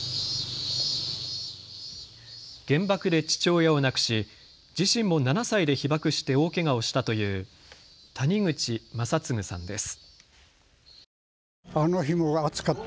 原爆で父親を亡くし自身も７歳で被爆して大けがをしたという谷口正次さんです。